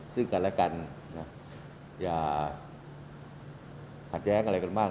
ซึ่งกันและกันอย่าขัดแย้งอะไรกันมาก